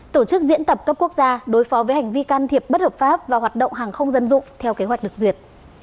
tổ chức diễn tập cấp quốc gia đối phó với hành vi can thiệp bất hợp pháp và hoạt động hàng không dân dụng theo kế hoạch được duyệt